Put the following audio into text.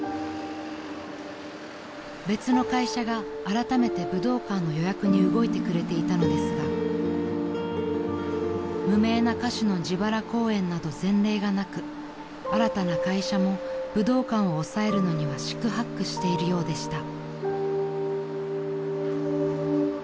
［別の会社があらためて武道館の予約に動いてくれていたのですが無名な歌手の自腹公演など前例がなく新たな会社も武道館を押さえるのには四苦八苦しているようでした］